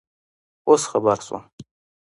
اوس خبر شوم